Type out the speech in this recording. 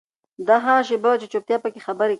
دا هغه شیبه وه چې چوپتیا پکې خبرې کولې.